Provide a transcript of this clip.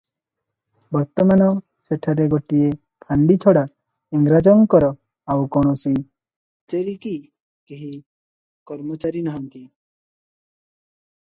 ବର୍ତ୍ତମାନ ସେଠାରେ ଗୋଟିଏ ଫାଣ୍ତି ଛଡ଼ା ଇଂରାଜଙ୍କର ଆଉ କୌଣସି କଚେରୀ କି କେହି କର୍ମଚାରୀ ନାହାନ୍ତି ।